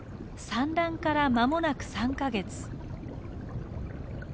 産卵から間もなく３か月。